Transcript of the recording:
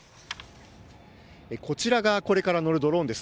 こちらがこれから乗るドローンです。